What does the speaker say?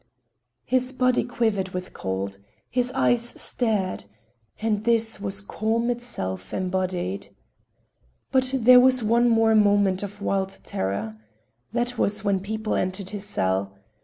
His body quivered with cold. His eyes stared. And this was calm itself embodied. But there was one more moment of wild terror. That was when people entered his cell.